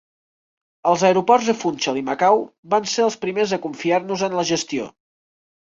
Els aeroports de Funchal i Macau van ser els primers de confiar-nos-en la gestió.